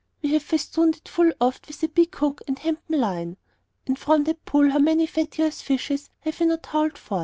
We have festooned it full oft with a big hook and hempen line. And from that pool how many fatuous fishes have we not hauled forth.